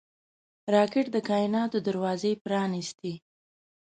راکټ د کائناتو دروازې پرانېستي